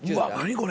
これ。